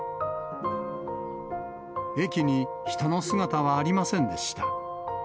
駅に人の姿はありませんでした。